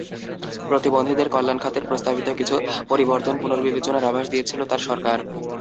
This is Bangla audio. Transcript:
প্রতিবন্ধীদের কল্যাণ খাতের প্রস্তাবিত কিছু পরিবর্তন পুনর্বিবেচনার আভাস দিয়েছিল তাঁর সরকার।